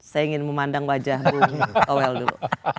saya ingin memandang wajah bu owel dulu